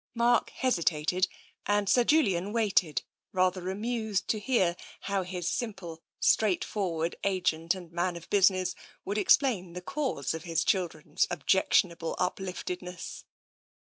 Mark hesitated and Sir Julian waited, rather amused to hear how his simple, straightforward agent and man of business would explain the cause of his chil dren's objectionable upliftedness.